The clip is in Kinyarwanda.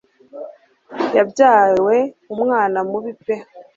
yabyawe umwana mubi pe